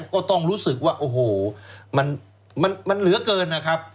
ก็ต้องรู้สึกว่าโอ้โหมันเหลือเกินนะครับ